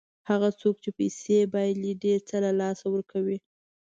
هغه څوک چې پیسې بایلي ډېر څه له لاسه ورکوي.